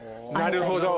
なるほど。